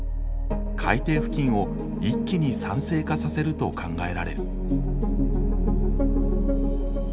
海底付近を一気に酸性化させると考えられる。